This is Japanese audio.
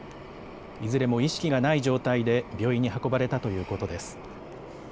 いずれも意識がない状態で病院に運ばれたということです。